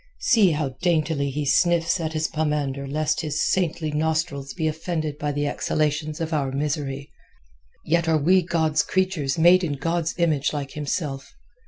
See how daintily he sniffs at his pomander lest his saintly nostrils be offended by the exhalations of our misery. Yet are we God's creatures made in God's image like himself.